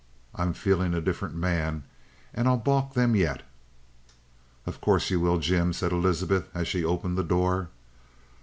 I'm feeling a different man, and I'll baulk them yet." "Of course you will, Jim," said Elizabeth, and she opened the door.